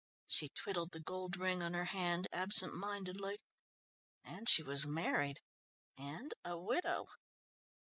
She twiddled the gold ring on her hand absent mindedly and she was married ... and a widow!